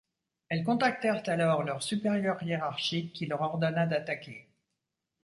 Elles contactèrent alors leur supérieur hiérarchique, qui leur ordonna d'attaquer.